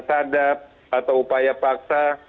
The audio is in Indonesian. tadab atau upaya paksa